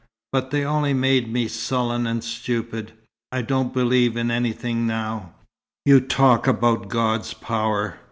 But they only made me sullen and stupid. I don't believe in anything now. You talk about 'God's power.'